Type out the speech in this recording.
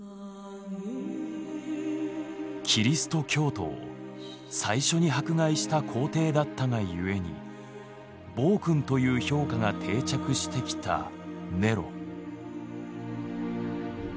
キリスト教徒を最初に迫害した皇帝だったが故に暴君という評価が定着してきたネロ。